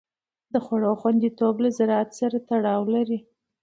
د خوړو خوندیتوب له زراعت سره تړاو لري.